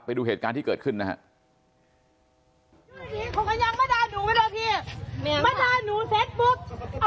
ไปดูเหตุการณ์ที่เกิดขึ้นนะฮะ